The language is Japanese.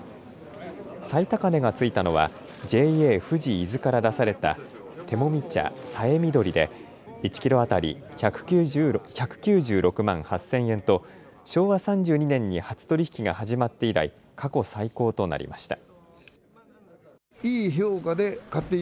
最高値がついたのはＪＡふじ伊豆から出された手もみ茶、さえみどりで１１キロ当たり１９６万８０００円と昭和３２年に初取り引きが始まって以来、過去最高となりました。